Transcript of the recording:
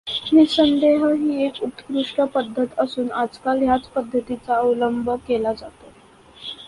निःसंदेह ही एक उत्कृष्ठ पद्धत असून आजकाल ह्याच पद्धतीचा अवलंब केला जातो.